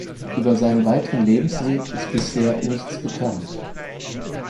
Über seinen weiteren Lebensweg ist bisher nichts bekannt.